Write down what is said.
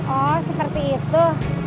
oh seperti itu